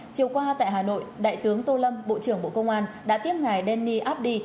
chiều qua tại hà nội đại tướng tô lâm bộ trưởng bộ công an đã tiếp ngài denny abdi